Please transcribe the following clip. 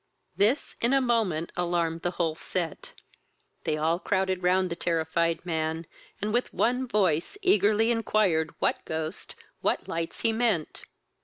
This in a moment alarmed the whole set; they all crowded round the terrified man, and with one voice eagerly inquired what ghost, what lights he meant?